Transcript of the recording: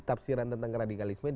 tafsiran tentang radikalisme